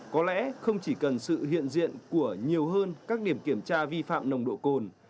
có lẽ không chỉ cần sự hiện diện của nhiều hơn các điểm kiểm tra vi phạm nồng độ cồn